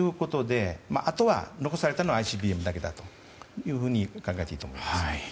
あとは、残されたのはＩＣＢＭだけだと考えていいと思います。